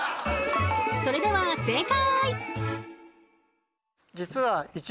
それでは正解！